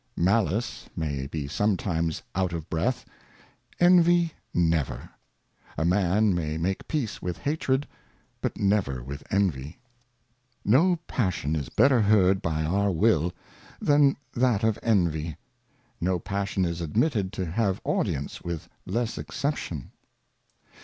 Malice may be sometimes out of Breath, Envy never. A Man may make Peace with Hatred, but never vdth Envy. No Passion is better heard by our will, than that of Envy : No Passion is admitted to have Audience with less Exception.